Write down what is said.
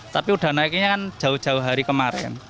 tapi udah naiknya kan jauh jauh hari kemarin